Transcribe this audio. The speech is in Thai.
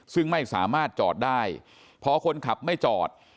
ซึ่งไม่สามารถจอดได้พอคนขับไม่จอด